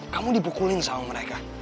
kamu dibukulin sama mereka